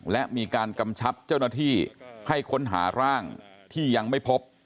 และมีการกำชับเจ้าหน้าที่ให้ค้นหาร่างที่ยังไม่พบ